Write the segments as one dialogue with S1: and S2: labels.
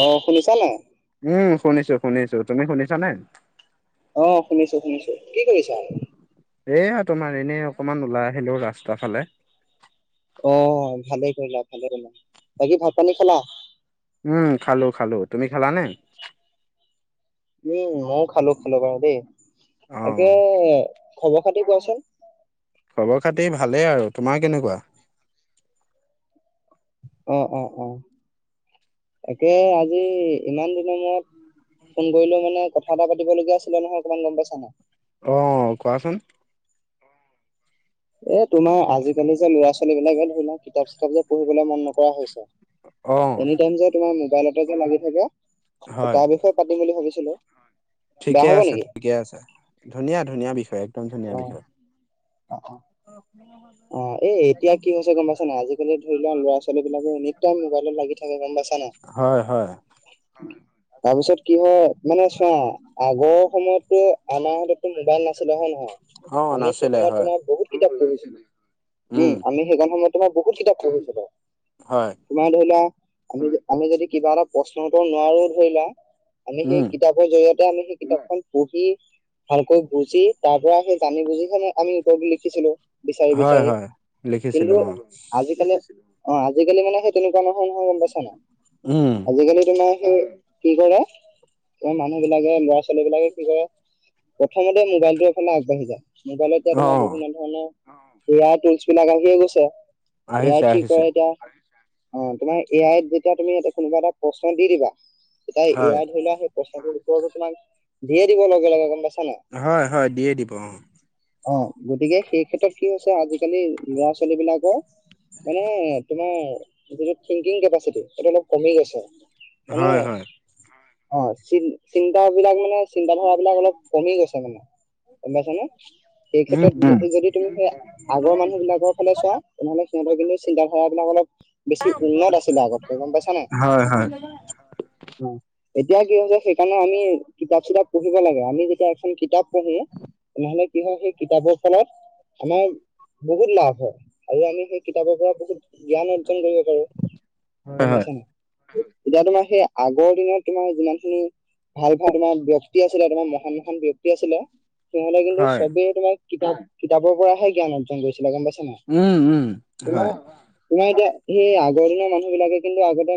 S1: অঁহ', শুনিছা নাই?
S2: উম, শুনিছো-শুনিছো। তুমি শুনিছা নে?
S1: অঁহ', শুনিছো-শুনিছো। কি কৰিছা?
S2: এয়া, তোমাৰ এনেই অকণমান ওলাই আহিলো, ৰাস্তা ফালে।
S1: অহ', ভালে কৰিলা, ভালে কৰিলা। বাকী' ভাত-পানী খালা?
S2: উমঁ, খালো-খালো। তুমি খালানে?
S1: উমঁ, মইও খালো-খালো বাৰু দেই।
S2: অ
S1: তাকে, খবৰ-খাতি কোৱাচোন?
S2: খবৰ-খাতি ভালেই আৰু। তোমাৰ কেনেকুৱা?
S1: অঁহ', -অঁহ', - অঁহ', - তাকে আজি ইমান দিনৰ মূৰত- ফোন কৰিলো মানে কথা এটা পাতিলগীয়া আছিলে নহয় অকণমান, গম পাইছা নাই।
S2: অঁ', কোৱাচোন?
S1: এ' তোমাৰ আজিকালি যে ল'ৰা-ছোৱালী বিলাকে ধৰি লোৱা, কিতাপ চিতাপ যে পঢ়িবলৈ মন নকৰা হৈছে।
S2: অ
S1: এনিটাইম যে, তোমাৰ মোবাইলতে যে লাগি থাকে,
S2: হয়
S1: তাৰ বিষয়- পাতিম বুলি ভাবিছিলো। বেয়া
S2: ঠিকে
S1: হব
S2: আছে,
S1: নেকি
S2: ঠিকে আছে। ধুনীয়া-ধুনীয়া বিষয়, একদম ধুনীয়া
S1: অ
S2: বিষয়।
S1: [unintelligible]
S2: [inaudible]
S1: অঁহ', এ' এতিয়া কি হৈছে গম পাইছা নাই, আজিকালি ধৰি লোৱা, ল'ৰা-ছোৱালী বিলাকে এনি টাইম মোবাইলত লাগি থাকে গম পাইছা নাই।
S2: হয়-হয়।
S1: তাৰপিছত কি হয়, মানে চোৱা আগৰ সময়ত- ত' আমাৰ হাত'ত তো মোবাইল নাছিলে, হয় নহয়?
S2: অ
S1: আমি সেই
S2: নাছিলে
S1: সময়ত
S2: হয়
S1: তোমাৰ বহুত কিতাপ পঢ়িছিলো। উমঁ,
S2: উম
S1: আমি সেইকণ সময়ত তোমাৰ বহুত কিতাপ পঢ়িছিলোঁ।
S2: হয়।
S1: তোমাৰ ধৰি লোৱা, আমি যদি কিবা এটা প্ৰশ্ন উত্তৰ নোৱাৰো ধৰি লোৱা আমি
S2: উম
S1: সেই কিতাপৰ জৰিয়তে আমি সেই কিতাপখন পঢ়ি ভালকৈ বুজি, তাৰ পৰা সেই জানি বুজি হে আমি উত্তৰটো লিখিছিলো। বি-
S2: হয়
S1: ষয়,
S2: হয় লিখিছিলো
S1: কিন্তু
S2: অ
S1: আজিকালি- অঁ', আজিকালি মানে সেই তেনেকুৱা নহয়-নহয়, গম পাইছা নাই?
S2: উমঁ।
S1: আজিকালি তোমাৰ সেই কি কৰে- মানুহ বিলাকে ল'ৰা-ছোৱালী বিলাকে কি কৰে প্ৰথমতে মোবাইলটোৰ ফালে আগবাঢ়ি যায়। মোবাইল এতিয়া
S2: অ
S1: তোমাৰ বিভিন্ন ধৰণৰ- এ আই টুলচ বিলাক আহিয়ে গৈছে, এ আই
S2: আহিছে
S1: কি
S2: আহিছে
S1: কৰে এতিয়া। অঁহ', তোমাৰ এ আইত যেতিয়া তুমি এ' কোনোবা এটা প্ৰশ্ন দি দিবা, তেতিয়া এ
S2: হয়
S1: আই ধৰি লোৱা সেই- পইচা টো লুকুৱাই লৈছে নহয়, দিয়ে দিব লগে-লগে গম পাইছা নে নাই।
S2: হয়-হয়, দিয়ে দিব অঁহ', -।
S1: অঁহ', গতিকে সেই ক্ষেত্ৰত কি হৈছে, আজিকালি লৰা-ছোৱালী বিলাকৰ- মানে তোমাৰ যিটো থিংকিং কেপাচিটি সেইটো অলপ কমি গৈছে। মানে
S2: হয় হয়
S1: অঁহ', চ-চিন্তা বিলাক মানে- চিন্তা ধাৰাবিলাক অলপ কমি গৈছে মানে, গম পাইছ নে? সেই
S2: উম উম
S1: ক্ষেত্ৰত যদি তুমি- আগৰ মানুহ বিলাকৰ ফালে চোৱা, তেনেহ'লে সিহঁতৰ কিন্তু চিন্তা ধাৰাবিলাক অলপ বেছি উন্নত আছিলে আগতকৈ, গম পাইছ নাই?
S2: হয় হয়
S1: এতিয়া কি হৈছে সেইকাৰণে আমি কিতাপ-চিতাপ পঢ়িব লাগে। আমি যেতিয়া এখন কিতাপ পঢ়ো তেনেহ'লে কি হয় সেই কিতাপৰ ফলত। আমাৰ বহুত লাভ হয় আৰু আমি সেই কিতাপৰ পৰা বহুত জ্ঞান অৰ্জন কৰিব পাৰো।
S2: হয়
S1: গম
S2: হয়
S1: পাইছা ন এতিয়া তোমাৰ সেই আগৰ দিনত তোমাৰ যিমান খিনি। ভাল ভাল তোমাৰ ব্যক্তি আছিলে তোমাৰ মহান মহান ব্যক্তি আছিলে সিহ'তে কিন্তু
S2: হয়।
S1: চবেই তোমাক কিতাপ কিতাপৰ পৰাহে জ্ঞান অৰ্জন কৰিছিলে গম পাই।
S2: উম, উম,
S1: তোমাৰ
S2: হয়।
S1: তোমাৰ এতিয়া সেই আগৰ দিনৰ মানুহ বিলাকে কিন্তু আগতে।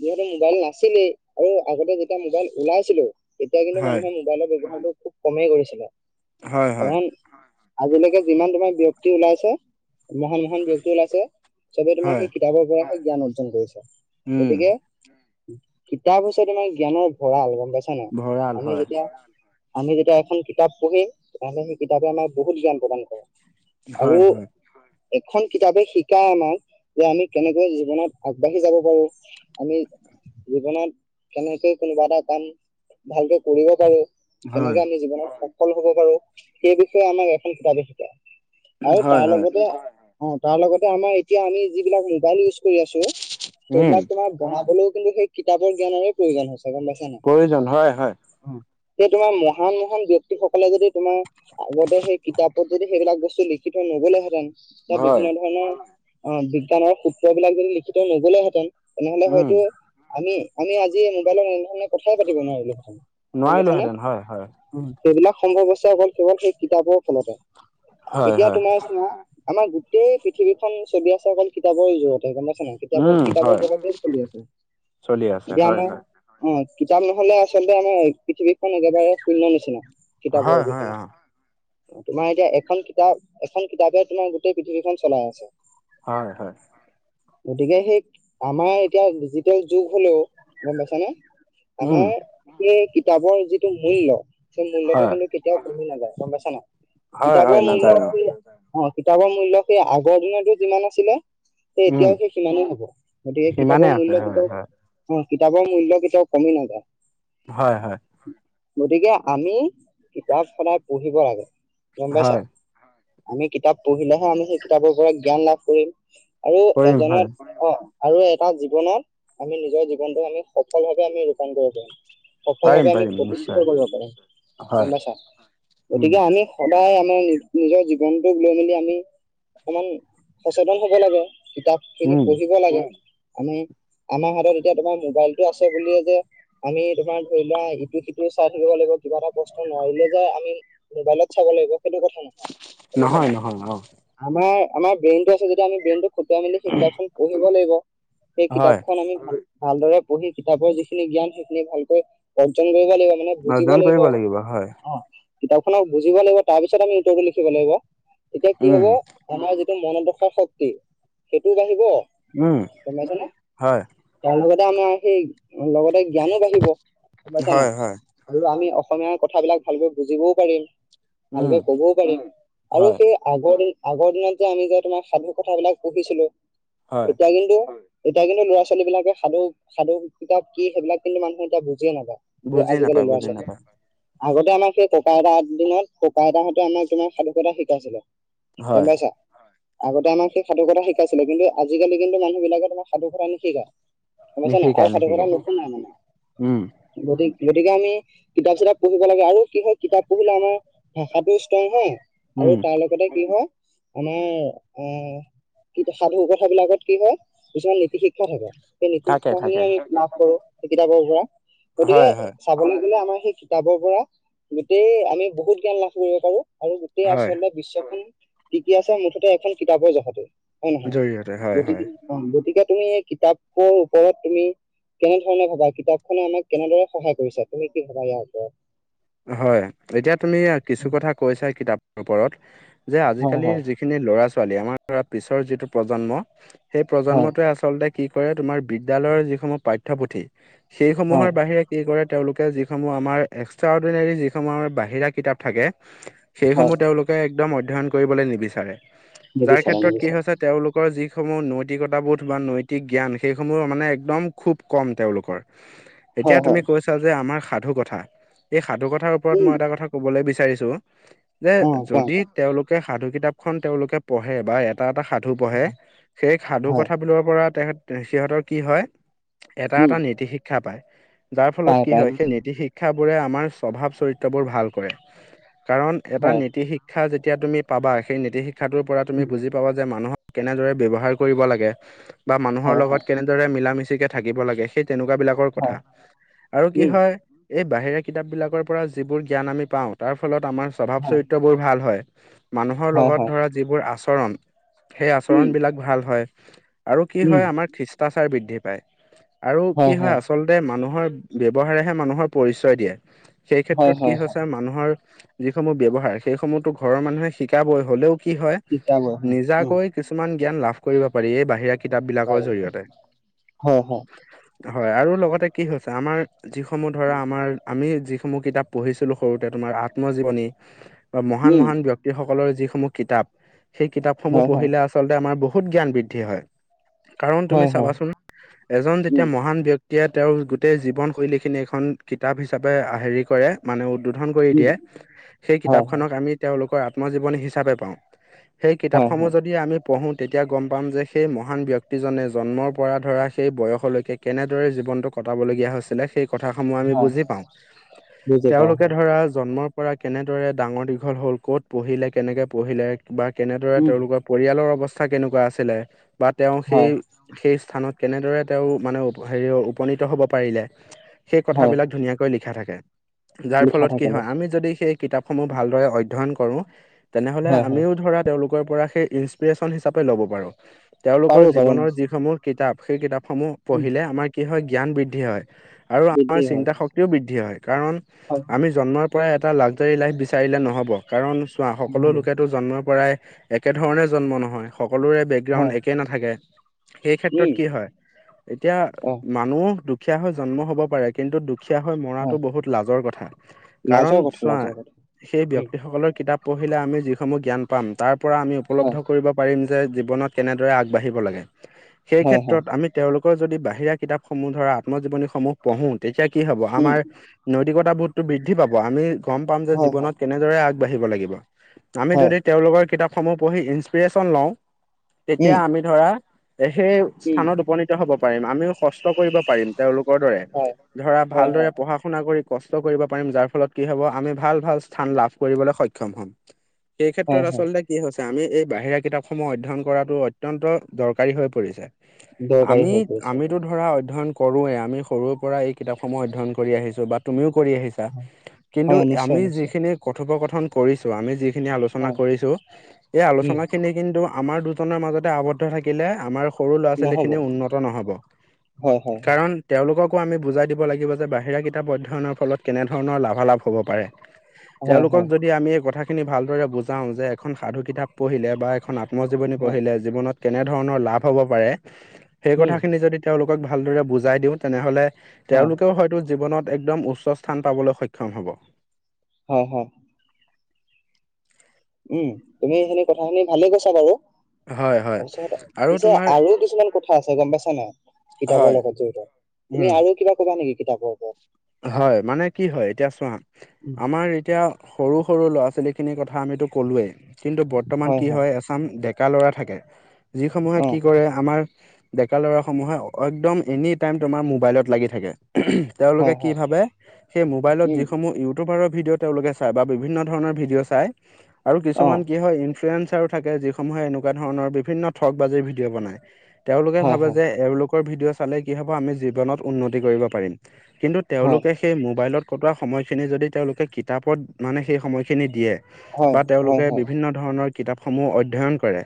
S1: যিহেতু মোবাইল নাছিলেই আৰু আগতে যেতিয়া মোবাইল ওলাইছিলো। তেতিয়া কিন্তু
S2: হয়,
S1: মানুহে মোবাইলৰ ব্যৱহাৰটো খুব কমেই কৰিছিলে
S2: হয়, হয়,
S1: কাৰণ। আজিলৈকে যিমান তোমাৰ ব্যয়ক্তি ওলাইছে মহান মহান ব্যয়ক্তি ওলাইছে। চবেই তোমাৰ
S2: হয়।
S1: সেই কিতাপৰ পৰাহে জ্ঞান অৰ্জন কৰিছে
S2: উম,
S1: গতিকে। কিতাপ হৈছে তমাৰ জ্ঞানৰ ভৰাল গম পাইছা নাই
S2: ভঁৰাল
S1: আমি
S2: হয়।
S1: যেতিয়া। আমি যেতিয়া এখন কিতাপ পঢ়ম তেতিয়া হ'লে সেই কিতাপে আমাৰ বহুত জ্ঞান প্ৰদান কৰে। আৰু।
S2: হয়, হয়,
S1: এখন কিতাপে শিকায় আমাক যে আমি কেনেকৈ জীৱনত আগবাঢ়ি যাব পাৰো। আমি জীৱনত কেনেকৈ কোনোবা এটা কাম। ভালকে কৰিব পাৰো
S2: হয়।
S1: সেনেকে আমি জীৱনত। সফল হ'ব পাৰো সেই বিষয়ে আমাৰ এ কিতাব। পায়
S2: হয়,
S1: তাৰ
S2: হয়,
S1: লগতে অ তাৰ লগতে আমাৰ এতিয়া আমি যিবিলাক মোবাইল ইউজ কৰি আছো।
S2: উম,
S1: সেইবিলাক তোমাৰ বনাবলৈও কিন্তু সেই কিতাপৰ জ্ঞানৰে প্ৰয়োজন হৈছে গম পাইছ।
S2: প্ৰয়োজন হয় হয়।
S1: সেই তোমাৰ মহান মহান ব্যক্তি সকলে যদি তোমাৰ আগতে সেই কিতাপ। অদি সেইবিলাক বস্তু লিখি থৈ নগলে হেঁতেন ত
S2: হয়,
S1: বিভিন্ন ধৰণৰ। অ বিজ্ঞানৰ সূত্ৰবলাক যদি লিখিত থৈ নগলে হেঁতেন তেনেহলে
S2: উম।
S1: হয়তো আমি। আমি আজি মোবাইলত এনেধৰণে কথাই পাতিব নোৱাৰিলো হয় গম পাইছ নে।
S2: নোৱাৰিলোহেঁতেন হয়, হয়,
S1: সেইবিলাক সম্ভৱ্য হৈছে অকল কেৱল সেই কিতাপৰ ফলতে।
S2: হয়,
S1: এতিয়া
S2: হয়,
S1: তোমাৰ চোৱা আমাৰ গোটেই পৃথিৱীখন চলি আছে অকল কিতাপৰ জোৰতে গম পাইছা নাই। কিতাপৰ
S2: উম,
S1: কিতাপৰ
S2: হয়,
S1: বলতে চলি আছে
S2: চলি আছে
S1: এতিয়া
S2: হয়, হয়।
S1: আমাৰ। অ কিতাপ নহলে আচলতে আমাৰ পৃথিৱীখন একেবাৰে শূন্য নিচিনা কিতাপৰ
S2: হয়, হয়,
S1: অবিহনে।
S2: অ'।
S1: তোমাৰ এতিয়া এখন কিতাপ এখন কিতাপে তোমাৰ গোটেই পৃথিৱীখন চলাই আছে।
S2: হয় হয়।
S1: গতিকে সেই আমাৰ এতিয়া ডিজিটেল যুগ হলেও গম পাইছ নে।
S2: উম,
S1: আমাৰ এই কিতাপৰ যিটো মূল্য সেই মূল্যটো
S2: হয়,
S1: কিন্তু কেত। তিয়াও পঢ়ি নাযায় গম পাইছা না
S2: হয়, হয়,
S1: কিতাপৰ মূল্যটো।
S2: নাযায় ন
S1: অ কিতাপৰ মূল্য সেই আগৰ দিনতো যিমান আছিলে। সেই
S2: উম,
S1: এতিয়াও সেই সিমানেই হব গতিকে
S2: সিমানে
S1: কিতাপৰ
S2: আছে
S1: মূল্য
S2: হয়,
S1: কেতিয়াও।
S2: হয়,
S1: অ কিতাপৰ মূল্য কেতিয়াও কমি নাযায়।
S2: হয় হয়।
S1: গতিকে আমি কিতাপ সদায় পঢ়িব লাগে। গম পাইছা
S2: হয়,
S1: আমি কিতাপ পঢ়িলেহে আমি সেই কিতাপৰ পৰা জ্ঞান লাভ কৰিম। আৰু
S2: কৰিম হয়,
S1: এজনক। অ আৰু এটা জীৱনত আমি নিজৰ জীৱনটো আমি সফল ভাৱে আমি ৰূপায়ণ কৰিব পাৰম।
S2: পাৰিম,
S1: সফলভাৱে আমি
S2: পাৰিম
S1: প্ৰতিষ্ঠিত
S2: নিশ্চয়
S1: কৰিব পাৰিম গম
S2: হয়,
S1: পাইছা
S2: উম,
S1: গতিকে আমি। সদায় আমাৰ নি নিজৰ জীৱনটোক লৈ মেলি আমি। অকমান সচেতন হব লাগে কিতাপ খিনি
S2: উম,
S1: পঢ়িব লাগে। আমি আমাৰ হাতত এতিয়া তোমাৰ মোবাইলটো আছে বুলিয়ে যে। আমি তোমাৰ ধৰি লোৱা ইটো সিটো চাই থাকিব লাগিব কিবা এটা কষ্ট নোৱাৰিলে যে আমি মোবাইলত। চাব লাগিব সেইটো কথা নহয় গম পাইচা নাই
S2: নহয় অ',
S1: আমাৰ আমাৰ ব্ৰেইনটো আছে যেতিয়া আমি ব্ৰেইন খুটুৱাই মেলি সেই কিতাপখন পঢ়িব লাগিব সেই
S2: হয়।
S1: কিতাপখন আমি ভাল ভালদৰে পঢ়ি কিতাপৰ যিখিনি জ্ঞান সেইখিনি ভালকৈ অৰ্জন কৰিব লাগিব। মানে বুজিব
S2: অৰ্জন
S1: লাগিব
S2: কৰিব হয়
S1: কিতাপখনক বুজিব লাগিব তাৰপিছত আমি উত্তৰটো লিখিব লাগিব এতিয়া কি
S2: উম
S1: হব আমাৰ যিতো মনত অহা শক্তি সেইটোও বাঢ়িব
S2: উম
S1: গম পাইছানে?
S2: হয়
S1: তাৰ লগতে আমাৰ সেই লগতে জ্ঞানো বাঢ়িব গম পাইছা নাই?
S2: হয় হয়
S1: আৰু আমি অসমীয়াৰ কথাবিলাক ভালকৈ বুজিবও পাৰিম।
S2: উম
S1: ভালকে ক'বও পাৰিম আৰু
S2: হয়
S1: সেই আগৰ দিন আগৰ দিনত যে আমি যে তোমাৰ সাধু কথাবিলাক পঢ়িছিলো
S2: হয়
S1: এতিয়া কিন্তু এতিয়া কিন্তু ল'ৰা ছোৱালী বিলাকে সাধু সাধু কিতাপ কি সেইবিলাক কিন্তু মানুহে এতিয়া বুজিয়ে নাপায়।
S2: বুজি
S1: আজিকালি
S2: নাপায়
S1: ল'ৰা
S2: বুজি নাপায়
S1: ছোৱালীয়ে আগতে আমাৰ সেই ককা আইতাৰ দিনত ককা আইতাহঁতে আমাৰ তোমাৰ সাধু কথা শিকাইছিলে।
S2: হয়
S1: গম পাইছা। আগতে আমাক সেই সাধু কথা শিকাইছিলে কিন্তু আজিকালি কিন্তু মানুহ বিলাকে তোমাক সাধু কথা নিশিকায়। গম পাইছা নাই আৰু
S2: নিশিকায়
S1: সাধু কথা
S2: নিশিকায়
S1: নুশুনে মানে
S2: উম
S1: গতি গতিকে আমি কিতাপ চিতাপ পঢ়িব লাগে আৰু কি হয় কিতাপ। কিতাপ পঢ়িলে আমাৰ ভাষাটো ষ্ট্ৰং হয় আৰু
S2: উম
S1: তাৰ লগতে কি হয় আমাৰ অ কি সাধু কথাবিলাকত কি হয়। কিছুমান নীতি শিক্ষা থাকে সেই নীতি
S2: থাকে
S1: শিক্ষা
S2: থাকে
S1: খিনিও আমি লাভ কৰো সেই কিতাপৰ পৰা। গতিকে
S2: হয় হয়
S1: চাবলৈ গ'লে আমাৰ সেই কিতাপৰ পৰা গোটেই আমি বহুত জ্ঞান লাভ কৰিব পাৰো আৰু গোটেই
S2: হয়
S1: আচলতে বিশ্বখন টিকে আছে মুঠতে এখন কিতাপৰ জহতে হয় নহয়
S2: জৰিয়তে হয় হয়
S1: গতিকে অঁ গতিকে তুমি এই কিতাপৰ ওপৰত তুমি- কেনেধৰণে ভবা কিতাপখনে আমাক কেনেদৰে সহায় কৰিছে তুমি কি ভবা ইয়াৰ ওপৰত
S2: হয়ঁ এতিয়া তুমি কিছু কথা কৈছাই কিতাপৰ ওপৰত যে
S1: হয়
S2: আজিকালিৰ
S1: হয়
S2: যি খিনি ল'ৰা ছোৱালী আমাৰ ধৰা পিছৰ যিটো প্ৰজন্ম সেই
S1: হয়
S2: প্ৰজন্মটোৱে আচলতে কি কৰে তোমাৰ বিদ্যালয়ৰ যিসমূহ পাঠ্যপুথি সেইসমূহৰ
S1: হয়
S2: বাহিৰে- কি কৰে তেওঁলোকে যিসমূহ আমাৰ এক্সট্ৰা অৰ্ডিনেৰী যিসমূহ আমাৰ বাহিৰা কিতাপ থাকে।
S1: হয়
S2: সেইসমূহ তেওঁলোকে একদম অধ্যয়ন কৰিবলৈ নিবিচাৰে যাৰ
S1: নিবিচাৰে
S2: ক্ষেত্ৰত কি
S1: নিবিচাৰে
S2: হৈছে তেওঁলোকৰ যিসমূহ নৈতিকতাবোধ বা নৈতিক জ্ঞান সেইসমূহো মানে একদম খুব কম তেওঁলোকৰ।
S1: [inaudible]
S2: এতিয়া তুমি কৈছা যে আমাৰ সাধু কথা এই সাধু কথাৰ ওপৰত
S1: উম
S2: মই এটা কথা কবলৈ বিচাৰিছোঁ। যে
S1: অ কোৱা
S2: যদি তেওঁলোকে সাধু কিতাপ খন তেওঁলোকে পঢ়ে বা এ এটা এটা সাধু পঢ়ে
S1: কোৱা
S2: সেই সাধু
S1: হয়
S2: কথাবোৰৰ পৰা তেহে সিহঁতৰ কি হয়। এটা
S1: উম
S2: এটা নীতি শিক্ষা পায় যাৰ ফলত
S1: পায়
S2: কি
S1: পায়
S2: হয় সেই
S1: নিশ্চয়
S2: নীতি শিক্ষাবোৰে আমাক স্বভাৱ চৰিত্ৰবোৰ ভাল কৰে কাৰণ এটা
S1: হয়
S2: নীতি শিক শিক্ষা যেতিয়া তুমি পাবা সেই নীতি শিক্ষাটোৰ পৰা তুমি
S1: উম
S2: বুজি লগতে মানুহক কেনেদৰে ব্যৱহাৰ কৰিব লাগে বা মানুহৰ
S1: হয়
S2: লগত
S1: হয়
S2: কেনেদৰে দৰে মিলা মিচিকে থাকিব লাগে সেই তেনেকুৱা বিলাকৰ কথা।
S1: হয়
S2: আৰু কি
S1: উম
S2: হয় এই বাহিৰে কিতাপ বিলাকৰ পৰা যিবোৰ জ্ঞান আমি পাওঁ তাৰ ফলত আমাৰ স্বভাৱ
S1: হয়
S2: চৰিত্ৰবোৰ ভাল হয়। মানুহৰ
S1: হয়
S2: লগত
S1: হয়
S2: ধৰা যিবোৰ আচৰণ সেই আচৰণ
S1: উম
S2: বিলাক ভাল হয়। আৰু কি
S1: উম
S2: হয় আমাৰ খ্ৰীষ্টাচাৰ বৃদ্ধি পায় আৰু কি হয় আচল তাতে মানুহৰ ব্যৱহাৰেহে মানুহৰ পৰিচয় দিয়ে। সেই
S1: হয়
S2: ক্ষেত্ৰত কি
S1: হয় হয়
S2: হৈছে মানুহৰ যিসমূহ ব্যৱহাৰ সেইসমূহতো ঘৰৰ মানুহে শিকাবই হলেও - কি হয়
S1: শিকাবই হয় উম
S2: নিজাকৈ কিছুমান জ্ঞান লাভ কৰিব পাৰি। এই বাহিৰা - কিতাপ বিলাকৰ
S1: পাৰি পাৰি
S2: জৰিয়তে।
S1: হয় হয়
S2: হয়, আৰু লগতে কি হৈছে আমাৰ যিসমূহ ধৰা আমাৰ - আমি যিসমূহ কিতাপ পঢ়িছিলো সৰুতে তোমাৰ আত্মজীৱনী বা মহান
S1: উম
S2: মহান ব্যক- তি সকলৰ যিসমূহ কিতাপ সেই কিতাপসমূহ
S1: হয় হয়
S2: পঢ়িলে আচলতে আমাৰ বহুত জ্ঞান বৃদ্ধি হয়। কাৰণ তুমি
S1: হয় হয়
S2: চাবাচোন - এজন যেতিয়া
S1: উম
S2: মহান ব্যক্তিয়ে তেওঁৰ গোটেই জীৱন শৈলী খিনি এখন কিত- তাপ হিচাপে হেৰি কৰে মানে উদ্বোধন কৰি
S1: উম
S2: দিয়ে সেই
S1: হয় হয়
S2: কিতাপখনক আমি - তেওঁলোকৰ আত্মজীৱনী হিচাপে পাওঁ, সেই
S1: হয় হয়
S2: কিতাপসমূহ যদি আমি - পঢ়োঁ তেতিয়া গম পাম যে সেই মহান ব্যক্তিজনে জন্মৰ পৰা ধৰা সেই বয়সলৈকে - কেনেদৰে জীৱনটো কটাবলগীয়া হৈছিলে সেই কথা সমূহ আমি
S1: হয়
S2: বুজি পাওঁ।
S1: বুজি পাওঁ
S2: তেওঁলোকে
S1: হয়
S2: ধৰ - ধৰা জন্মৰ পৰা কেনেদৰে ডাঙৰ দীঘল হ'ল ক'ত পঢ়িলে কেনেকে পঢ়িলে - বা কেনেদৰে
S1: উম
S2: তেওঁলোকৰ পৰিয়ালৰ অৱস্থা কেনেকুৱা আছিলে বা তেওঁ সেই
S1: হয়
S2: - সেই স্থানত কেনেদৰে তেওঁ মানে হেৰি উপনীত হব পাৰিলে সেই
S1: হয়
S2: কথাবিলাক - ধুনীয়াকৈ লিখা থাকে। যাৰ
S1: লিখা
S2: ফলত কি
S1: থাকে
S2: হয় আমি
S1: নিশ্চয়
S2: যদি সেই - কিতাপসমূহ ভালদৰে অধ্যয়ন কৰোঁ তেনেহ'লে
S1: হয় হয়
S2: আমিও ধৰা তেওঁলোক - কৰ পৰা সেই ইঞ্চপিৰেশ্যন হিচাপে ল'ব পাৰোঁ। তেওঁলোকৰ
S1: পাৰো পাৰো
S2: জীৱনৰ
S1: নিশ্চয়
S2: যিসমূহ - কিতাপ, সেই কিতাপসমূহ
S1: উম
S2: পঢ়িলে আমাৰ কি হয় জ্ঞান বৃদ্ধি হয়, আৰু আমাৰ
S1: বৃদ্ধি হয়
S2: চিন্তাশক-
S1: নিশ্চয়
S2: তিও বৃদ্ধি হয়। কাৰণ
S1: হয় হয়
S2: আমি জন্মৰ পৰাই এটা লাকজাৰী লাইফ বিচাৰিলে নহ'ব, কাৰণ - চোৱা সকলো
S1: নহব
S2: লোকেতো জন্মৰ পৰাই একেধৰণে জন্ম নহয়, সকলোৰে বেক- গ্ৰাউণ্ড
S1: হয়
S2: একে নাথাকে, সেই ক্ষেত্ৰত
S1: উম
S2: কি হয়, এতিয়া
S1: অ
S2: মানুহ দু- খিয়া হৈ জন্ম হ'ব পাৰে কিন্তু দু- খিয়া হৈ মৰাটো
S1: হয়
S2: বহুত লাজৰ কথা, কাৰণ
S1: লাজৰ কথা
S2: চোৱা
S1: লাজৰ কথা
S2: সেই ব্যক্তিসকলৰ কিতাপ পঢ়িলে আমি যিসমূহ জ্ঞান পাম তাৰ পৰা আমি উপলব্ধ
S1: হয়
S2: কৰিব পাৰিম যে জীৱনত কেনেদৰে আগবাঢ়িব লাগে।
S1: হয় হয়
S2: সেইক্ষেত্ৰত আমি তেওঁলোকৰ যদি বাহিৰা কিতাপসমূহ ধৰা আত্মজীৱনীসমূহ পঢ়ো, তেতিয়া কি হব
S1: উম
S2: আমাৰ নৈতিকতা বোধটো বৃদ্ধি পাব আমি গম পাম যে
S1: হয় হয়
S2: জীৱনত কেনেদৰে আগবাঢ়িব লাগিব। আমি
S1: হয়
S2: যদি তেওঁলোকৰ কিতাপসমূহ পঢ়ি ইঞ্চপিৰেশ্যন লওঁ, তেতিয়া
S1: উম
S2: আমি ধৰা সেই
S1: উম
S2: স্থানত উপনীত হব পাৰিম, আমিও কষ্ট কৰিব পাৰিম তেওঁলোকৰ দৰে।
S1: হয়
S2: ধৰা
S1: হয়
S2: ভালদৰে
S1: হয়
S2: পঢ়া শুনা কৰি কষ্ট কৰিব পাৰিম যাৰ ফলত কি হ'ব, আমি ভাল ভাল স্থান লাভ কৰিবলে সক্ষম হ'ম। সেই
S1: হয়
S2: ক্ষেত্ৰত
S1: হয়
S2: আচলতে কি হৈছে আমি এই বাহিৰা কিতাপসমূহ অধ্যয়ন কৰাটো অত্যন্ত দৰকাৰী হৈ পৰিছে।
S1: দৰকাৰী
S2: আমি
S1: হৈ পৰিছে
S2: আমিতো
S1: হয়
S2: ধৰা অধ্যয়ন কৰোঁৱে, আমি সৰুৰ পৰা এই কিতাপসমূহ অধ্যয়ন কৰি আহিছোঁ বা তুমিও কৰি আহি- ছা।
S1: হয়
S2: কিন্তু
S1: হয় নিশ্চয়
S2: আমি
S1: নিশ্চয়
S2: যিখিনি কথোপকথন কৰিছো আমি যিখিনি আলোচনা
S1: হয়
S2: কৰিছো, এই
S1: উম
S2: আলোচনা খিনিক কিন্তু আমাৰ দুজনৰ মাজতে আৱদ্ধ থাকিলে আমাৰ সৰু ল'ৰা
S1: নহব
S2: ছোৱালীখিনি উন্নত নহ'ব।
S1: হয় হয় হয়
S2: কাৰণ তেওঁলোককো আমি বুজাই দিব লাগিব যে বাহিৰা কিতাপ অধ্যয়নৰ ফলত কেনেধৰণৰ লাভালাভ হ'ব পাৰে।
S1: হয়
S2: তেওঁলোকক
S1: হয়
S2: যদি আমি এই কথাখিনি ভালদৰে বুজাও যে এখন সাধু কিতাপ পঢ়িলে বা এখন আত- মজীৱনী
S1: হয়
S2: পঢ়িলে জীৱনত কেনেধৰণৰ লাভ হ'ব পাৰে, সেই
S1: উম
S2: কথাখিনি যদি তেওঁলোকক ভালদৰে বুজাই দিওঁ তেনেহলে
S1: হয়
S2: তেওঁলোকেও হয়তো জীৱনত একদম উচ্- চ স্থান পাবলৈ সক্ষম হ'ব।
S1: হয় হয়। উম, তুমি এইখিনি কথাখিনি ভালে কৈছা বাৰু।
S2: হয় হয়
S1: তাৰ পিছত
S2: আৰু
S1: পিছে
S2: তোমাৰ
S1: আৰু কিছুমান ক আছে গম পাইছা নাই,
S2: হয়
S1: কিতাপৰ লগত জড়িত।
S2: উম
S1: তুমি আৰু কিবা কবা নেকি কিতাপৰ ওপৰত?
S2: হয়, মানে কি হয় এতিয়া চোৱা। আমাৰ এতিয়া সৰু সৰু ল'ৰা ছোৱালীখিনিৰ কথা আমিতো ক'লোৱে। কিন্তু বৰ্তমান কি হয় আম ডেকা ল'ৰা থাকে। যিসমূহে
S1: অ
S2: কি কৰে, আমাৰ ডেকা ল'ৰাসমূহে একদম এনি টাইম তোমাৰ মোবাইলত লাগি থাকে। তেওঁলোকে
S1: হয়
S2: কি
S1: হয়
S2: ভাবে? সেই মোবাইলত
S1: উম
S2: যিসমূহ ইউ টোবাৰৰ ভিডিঅ' তেওঁলোকে চায় বা বিভিন্ন ধৰণৰ ভিডিঅ' চায় আৰু
S1: অ
S2: কিছুমান কি হয় ইনফ্লুৱেঞ্চাৰ থাকে, যিসমূহে এনেকুৱা ধৰণৰ বিভিন্ন ঠগ বাজি ভিডিঅ' বনাই। তেওঁলোকে
S1: হয়
S2: ভাবে
S1: হয়
S2: যে এওঁলোক ৰ ভিডিঅ' চালে কি হ'ব, আমি জীৱনত উন্নতি কৰিব পাৰিম। কিন্তু
S1: হয়
S2: তেওঁলোকে সেই মোবাইলত কটোৱা সময়খিনি যদি তেওঁলোকে কিতাপত মানে সেই সময়খিনি দিয়ে।
S1: হয়
S2: বা
S1: হয়
S2: তেওঁলোকে
S1: হয়
S2: বিভিন্ন ধৰণৰ কিতাপসমূহ অধ্যয়ন কৰে।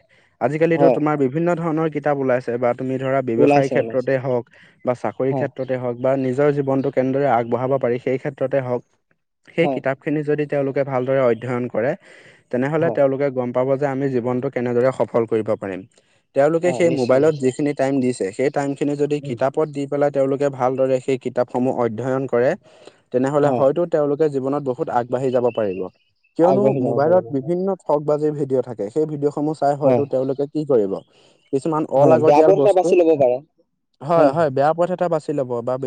S2: আজিকালিতো
S1: হয়
S2: তোমাৰ বিভিন্ন ধৰণৰ কিতাপ ওলাই তুমি ধৰা ব্যৱসায়
S1: ওলাইছে ওলাইছে
S2: ক্ষেত্ৰতে হক বা চাকৰি
S1: হয়
S2: ক্ষেত্ৰতে হক বা নিজৰ জীৱনটো কেনেদৰে আগবঢ়াব পাৰি, সেই ক্ষেত্ৰতে হওক। সেই
S1: হয়
S2: কিতাপ খিনি যদি তেওলোকে ভালদৰে অধ্যয়ন কৰে, তেনেহলে
S1: হয়
S2: তেওঁলোকে গম পাব যে আমি জীবনটো কেনেদৰে সফল কৰিব পাৰিম। তেওঁলোকে
S1: হয়
S2: সেই
S1: নিশ্চয়
S2: মোবাইল
S1: নিশ্চয়
S2: যিখিনি টাইম দিছে। সেই টাইমখিনি যদি
S1: উম
S2: কিতাপত দি পেলাই তেওঁলোকে ভালদৰে সেই কিতাপসমূহ অধ্যয়ন কৰে। তেনেহলে
S1: হয়
S2: হয়তো তেওঁলোকে জীৱনত বহুত আগবাঢ়ি যাব পাৰিব। কিয়নো,
S1: আগবাঢ়ি যাব
S2: মোবাইলত
S1: পাৰিব হয়
S2: বিভিন্ন ঠগ বাজি ভিডিঅ' থাকে সেই ভিডিঅ' সমূহ চাই
S1: হয়
S2: হয়তো তেওঁলোকে কি কৰিব। কিছুমান
S1: হয় বেয়া
S2: অলাগতিয়াল
S1: পথ এটা
S2: বস্তু
S1: বাছি লব পাৰে
S2: হয় হয় বেয়া পথ এটা বাছি ল'ব বা